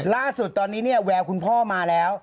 ล่าสุดตอนนี้เนี่ยแววคุณพ่อมาแล้ว